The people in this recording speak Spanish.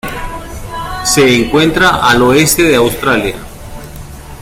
Se encuentra al oeste de Australia.